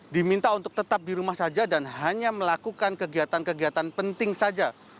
diminta untuk tetap di rumah saja dan hanya melakukan kegiatan kegiatan penting saja